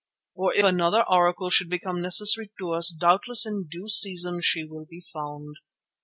Or if another Oracle should become necessary to us, doubtless in due season she will be found.